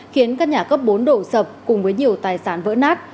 khiến các nhà cấp bốn đổ sập cùng với nhiều tài sản vỡ nát